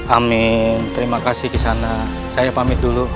amin terima kasih disana saya pamit dulu